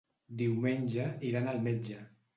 Diumenge iran al metge.